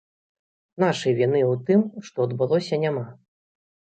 Нашай віны ў тым, што адбылося, няма.